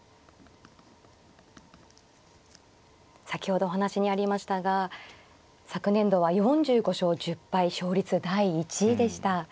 先ほどお話にありましたが昨年度は４５勝１０敗勝率第１位でした。